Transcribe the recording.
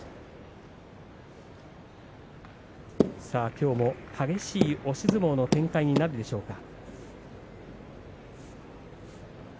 きょうも激しい押し相撲の展開になるでしょうか。